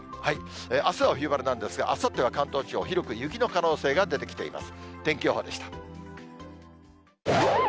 あすは冬晴れなんですが、あさっては関東地方、広く雪の可能性が出てきています。